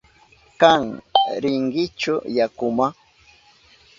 ¿Kan rinkichu yakuma?